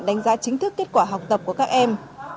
đánh giá chính thức kết quả học tập của các em